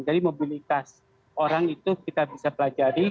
jadi mobilitas orang itu kita bisa pelajari